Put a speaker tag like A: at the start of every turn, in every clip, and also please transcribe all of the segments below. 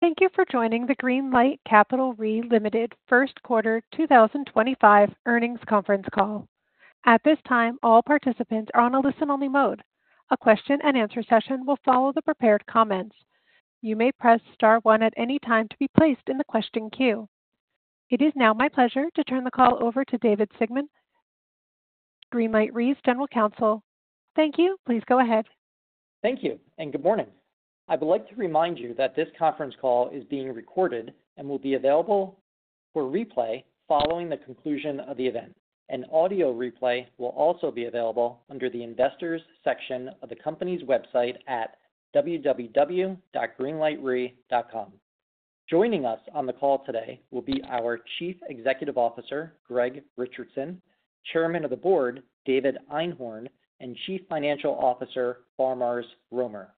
A: Thank you for joining the Greenlight Capital Re Limited, first quarter 2025 earnings conference call. At this time, all participants are on a listen-only mode. A question-and-answer session will follow the prepared comments. You may press star one at any time to be placed in the question queue. It is now my pleasure to turn the call over to David Sigmon, Greenlight Re's General Counsel. Thank you. Please go ahead.
B: Thank you and good morning. I would like to remind you that this conference call is being recorded and will be available for replay following the conclusion of the event. An audio replay will also be available under the investors section of the company's website at www.greenlightre.com. Joining us on the call today will be our Chief Executive Officer, Greg Richardson, Chairman of the Board, David Einhorn, and Chief Financial Officer, Faramarz Romer.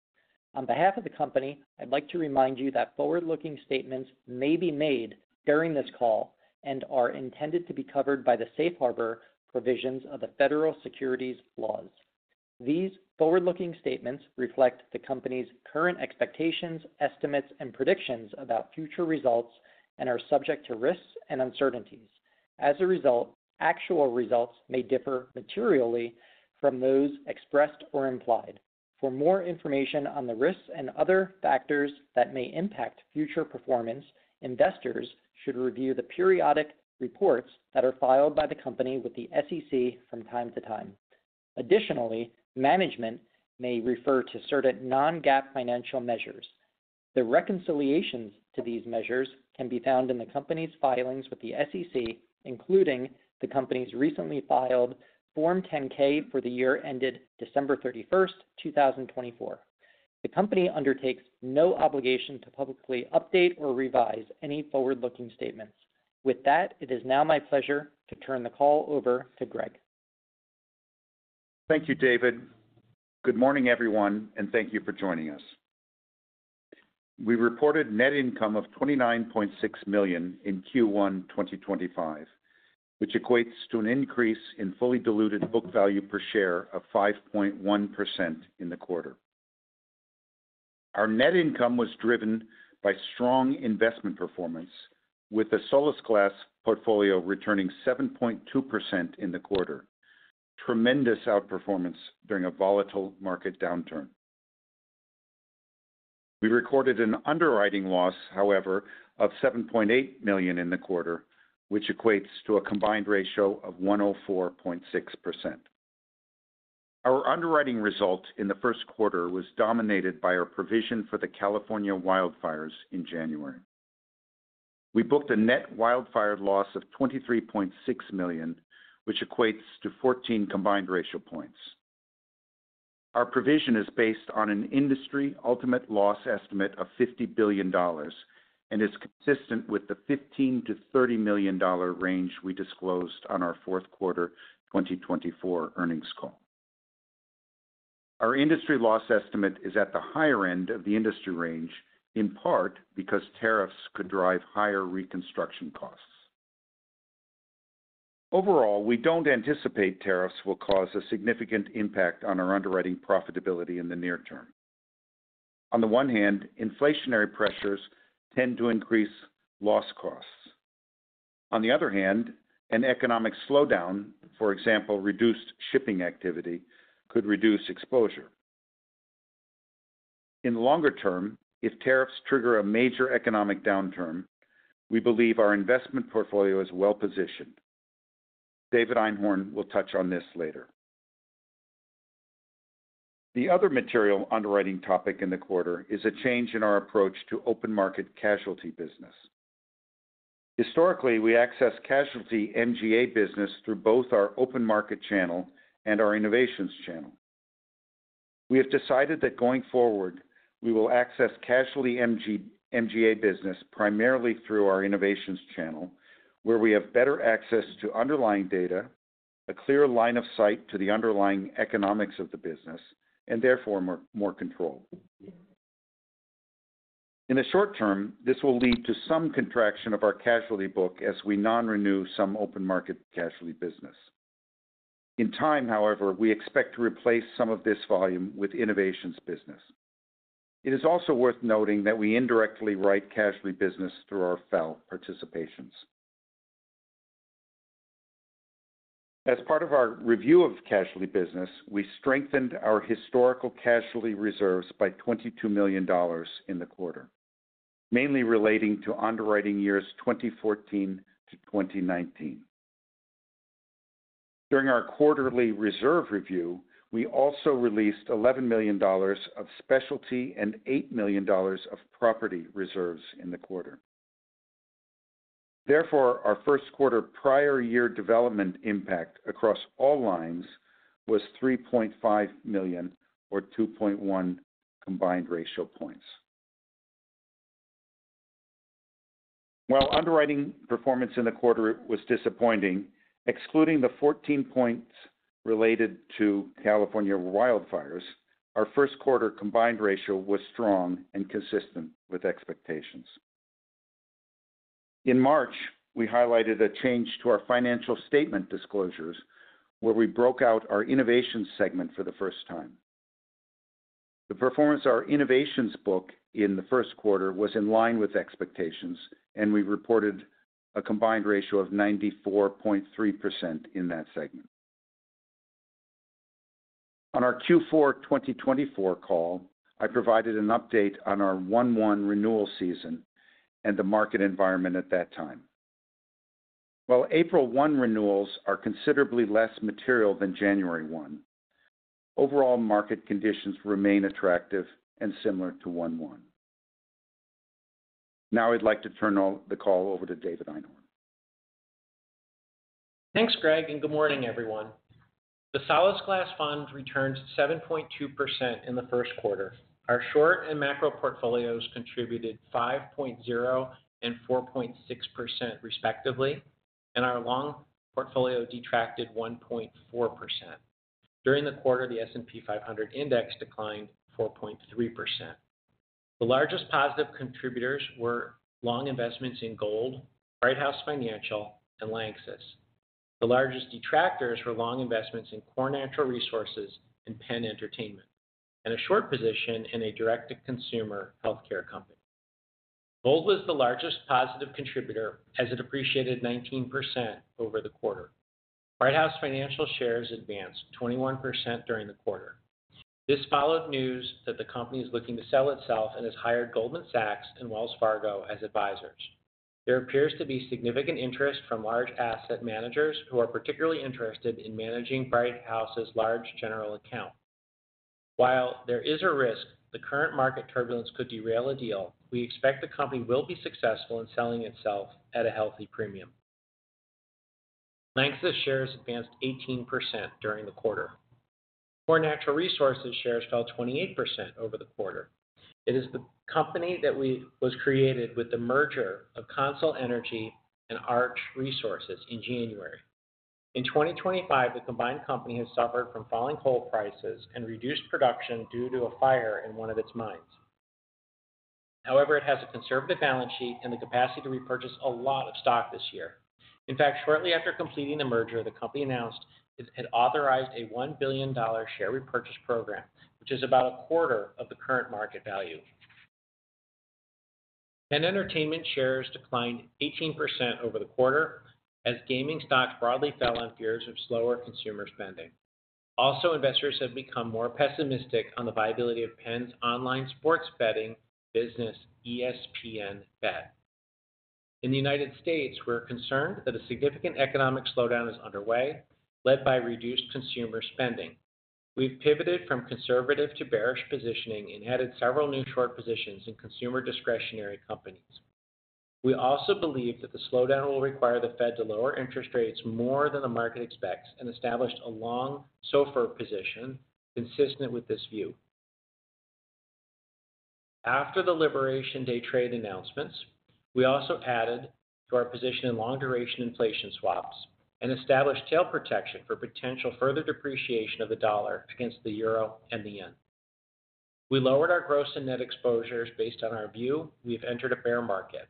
B: On behalf of the company, I'd like to remind you that forward-looking statements may be made during this call and are intended to be covered by the safe harbor provisions of the federal securities laws. These forward-looking statements reflect the company's current expectations, estimates, and predictions about future results and are subject to risks and uncertainties. As a result, actual results may differ materially from those expressed or implied. For more information on the risks and other factors that may impact future performance, investors should review the periodic reports that are filed by the company with the SEC from time to time. Additionally, management may refer to certain non-GAAP financial measures. The reconciliations to these measures can be found in the company's filings with the SEC, including the company's recently filed Form 10-K for the year ended December 31st, 2024. The company undertakes no obligation to publicly update or revise any forward-looking statements. With that, it is now my pleasure to turn the call over to Greg.
C: Thank you, David. Good morning, everyone, and thank you for joining us. We reported net income of $29.6 million in Q1 2025, which equates to an increase in fully diluted book value per share of 5.1% in the quarter. Our net income was driven by strong investment performance, with the Solace Class portfolio returning 7.2% in the quarter, tremendous outperformance during a volatile market downturn. We recorded an underwriting loss, however, of $7.8 million in the quarter, which equates to a combined ratio of 104.6%. Our underwriting result in the first quarter was dominated by our provision for the California wildfires in January. We booked a net wildfire loss of $23.6 million, which equates to 14 combined ratio points. Our provision is based on an industry ultimate loss estimate of $50 billion and is consistent with the $15 million-$30 million range we disclosed on our fourth quarter 2024 earnings call. Our industry loss estimate is at the higher end of the industry range, in part because tariffs could drive higher reconstruction costs. Overall, we don't anticipate tariffs will cause a significant impact on our underwriting profitability in the near term. On the one hand, inflationary pressures tend to increase loss costs. On the other hand, an economic slowdown, for example, reduced shipping activity, could reduce exposure. In the longer term, if tariffs trigger a major economic downturn, we believe our investment portfolio is well positioned. David Einhorn will touch on this later. The other material underwriting topic in the quarter is a change in our approach to open market casualty business. Historically, we access casualty MGA business through both our open market channel and our innovations channel. We have decided that going forward, we will access casualty MGA business primarily through our innovations channel, where we have better access to underlying data, a clearer line of sight to the underlying economics of the business, and therefore more control. In the short term, this will lead to some contraction of our casualty book as we non-renew some open market casualty business. In time, however, we expect to replace some of this volume with innovations business. It is also worth noting that we indirectly write casualty business through our FAL participations. As part of our review of casualty business, we strengthened our historical casualty reserves by $22 million in the quarter, mainly relating to underwriting years 2014 to 2019. During our quarterly reserve review, we also released $11 million of specialty and $8 million of property reserves in the quarter. Therefore, our first quarter prior year development impact across all lines was $3.5 million or 2.1 combined ratio points. While underwriting performance in the quarter was disappointing, excluding the 14 points related to California wildfires, our first quarter combined ratio was strong and consistent with expectations. In March, we highlighted a change to our financial statement disclosures, where we broke out our innovations segment for the first time. The performance of our innovations book in the first quarter was in line with expectations, and we reported a combined ratio of 94.3% in that segment. On our Q4 2024 call, I provided an update on our 1/1 renewal season and the market environment at that time. While April 1 renewals are considerably less material than January 1, overall market conditions remain attractive and similar to 1/1. Now I'd like to turn the call over to David Einhorn.
D: Thanks, Greg, and good morning, everyone. The Solace Class Fund returned 7.2% in the first quarter. Our short and macro portfolios contributed 5.0% and 4.6% respectively, and our long portfolio detracted 1.4%. During the quarter, the S&P 500 index declined 4.3%. The largest positive contributors were long investments in gold, Brighthouse Financial, and Lanxess. The largest detractors were long investments in Core Natural Resources and PENN Entertainment, and a short position in a direct-to-consumer healthcare company. Gold was the largest positive contributor as it appreciated 19% over the quarter. Brighthouse Financial shares advanced 21% during the quarter. This followed news that the company is looking to sell itself and has hired Goldman Sachs and Wells Fargo as advisors. There appears to be significant interest from large asset managers who are particularly interested in managing White House's large general account. While there is a risk the current market turbulence could derail a deal, we expect the company will be successful in selling itself at a healthy premium. Lanxess shares advanced 18% during the quarter. Core Natural Resources shares fell 28% over the quarter. It is the company that was created with the merger of Consol Energy and Arch Resources in January. In 2025, the combined company has suffered from falling coal prices and reduced production due to a fire in one of its mines. However, it has a conservative balance sheet and the capacity to repurchase a lot of stock this year. In fact, shortly after completing the merger, the company announced it had authorized a $1 billion share repurchase program, which is about a quarter of the current market value. PENN Entertainment shares declined 18% over the quarter as gaming stocks broadly fell on fears of slower consumer spending. Also, investors have become more pessimistic on the viability of PENN's online sports betting business, ESPN Bet. In the United States, we're concerned that a significant economic slowdown is underway, led by reduced consumer spending. We've pivoted from conservative to bearish positioning and headed several new short positions in consumer discretionary companies. We also believe that the slowdown will require the Fed to lower interest rates more than the market expects and established a long SOFR position consistent with this view. After the liberation day trade announcements, we also added to our position in long-duration inflation swaps and established tail protection for potential further depreciation of the dollar against the euro and the yen. We lowered our gross and net exposures based on our view. We've entered a bear market.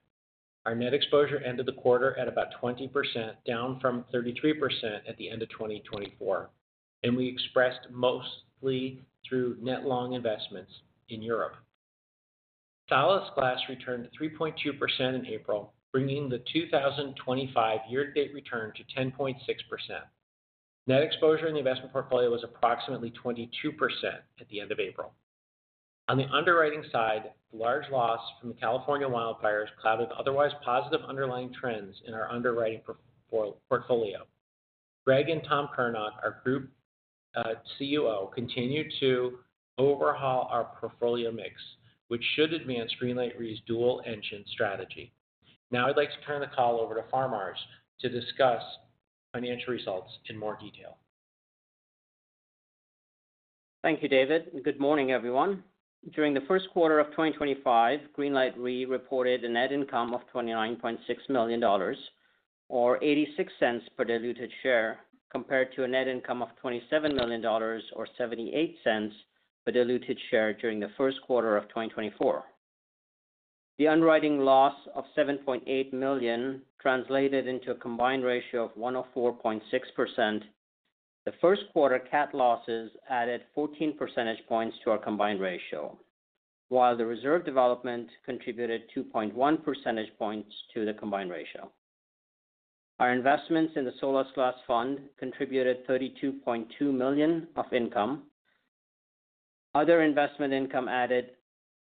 D: Our net exposure ended the quarter at about 20%, down from 33% at the end of 2024, and we expressed mostly through net long investments in Europe. Solace Class returned 3.2% in April, bringing the 2025 year-to-date return to 10.6%. Net exposure in the investment portfolio was approximately 22% at the end of April. On the underwriting side, large loss from the California wildfires clouded otherwise positive underlying trends in our underwriting portfolio. Greg and Tom Curnock, our Group COO, continued to overhaul our portfolio mix, which should advance Greenlight Re's dual-engine strategy. Now I'd like to turn the call over to Faramarz to discuss our financial results in more detail.
E: Thank you, David. Good morning, everyone. During the first quarter of 2025, Greenlight Capital Re reported a net income of $29.6 million, or $0.86 per diluted share, compared to a net income of $27 million, or $0.78 per diluted share during the first quarter of 2024. The underwriting loss of $7.8 million translated into a combined ratio of 104.6%. The first quarter CAT losses added 14 percentage points to our combined ratio, while the reserve development contributed 2.1 percentage points to the combined ratio. Our investments in the Solace Class Fund contributed $32.2 million of income. Other investment income added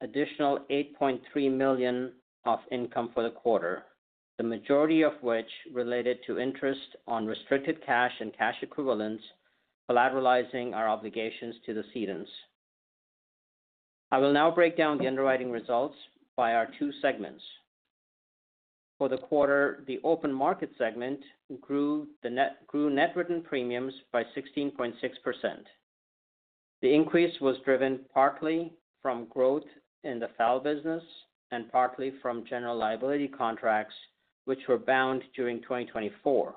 E: additional $8.3 million of income for the quarter, the majority of which related to interest on restricted cash and cash equivalents, collateralizing our obligations to the cedents. I will now break down the underwriting results by our two segments. For the quarter, the open market segment grew net written premiums by 16.6%. The increase was driven partly from growth in the FAL business and partly from general liability contracts, which were bound during 2024.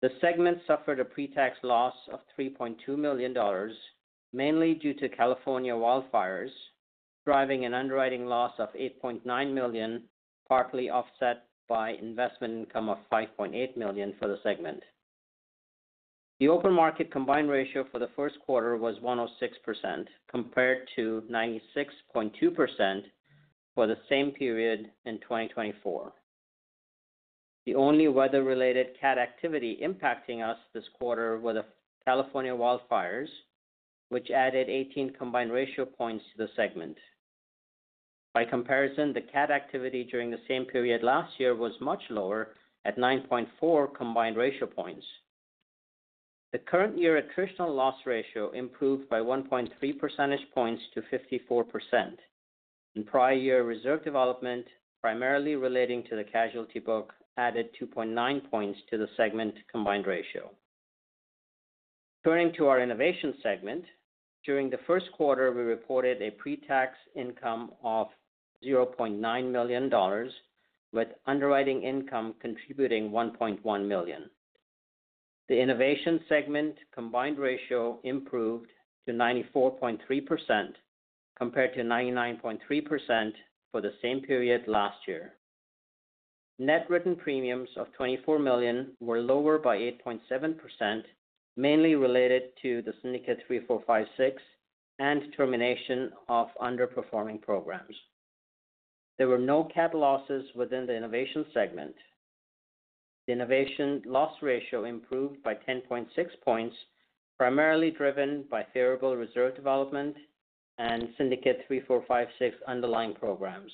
E: The segment suffered a pre-tax loss of $3.2 million, mainly due to California wildfires, driving an underwriting loss of $8.9 million, partly offset by investment income of $5.8 million for the segment. The open market combined ratio for the first quarter was 106%, compared to 96.2% for the same period in 2024. The only weather-related CAT activity impacting us this quarter were the California wildfires, which added 18 percentage points to the combined ratio for the segment. By comparison, the CAT activity during the same period last year was much lower at 9.4 percentage points. The current year attritional loss ratio improved by 1.3 percentage points to 54%, and prior year reserve development, primarily relating to the casualty book, added 2.9 points to the segment combined ratio. Turning to our innovation segment, during the first quarter, we reported a pre-tax income of $0.9 million, with underwriting income contributing $1.1 million. The innovation segment combined ratio improved to 94.3%, compared to 99.3% for the same period last year. Net written premiums of $24 million were lower by 8.7%, mainly related to the syndicate 3456 and termination of underperforming programs. There were no CAT losses within the innovation segment. The innovation loss ratio improved by 10.6 points, primarily driven by favorable reserve development and syndicate 3456 underlying programs.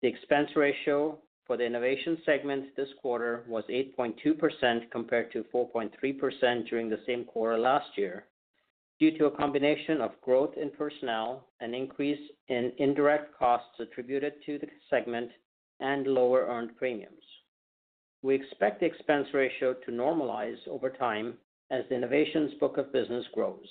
E: The expense ratio for the innovations segment this quarter was 8.2%, compared to 4.3% during the same quarter last year, due to a combination of growth in personnel and increase in indirect costs attributed to the segment and lower earned premiums. We expect the expense ratio to normalize over time as the innovations book of business grows.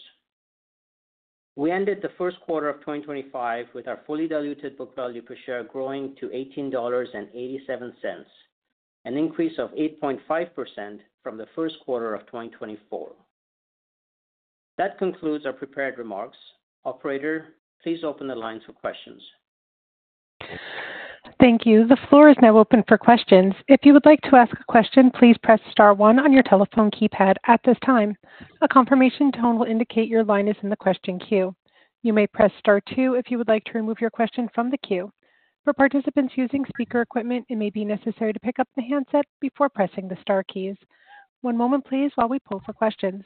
E: We ended the first quarter of 2025 with our fully diluted book value per share growing to $18.87, an increase of 8.5% from the first quarter of 2024. That concludes our prepared remarks. Operator, please open the lines for questions.
A: Thank you. The floor is now open for questions. If you would like to ask a question, please press star one on your telephone keypad at this time. A confirmation tone will indicate your line is in the question queue. You may press star two if you would like to remove your question from the queue. For participants using speaker equipment, it may be necessary to pick up the handset before pressing the star keys. One moment, please, while we poll for questions.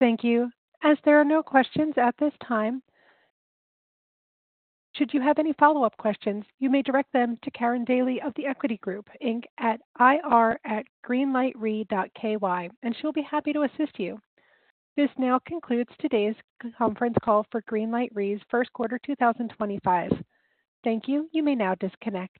A: Thank you. As there are no questions at this time, should you have any follow-up questions, you may direct them to Karin Daley of Equity Group, Inc. at ir@greenlightre.ky, and she'll be happy to assist you. This now concludes today's conference call for Greenlight Re's first quarter 2025. Thank you. You may now disconnect.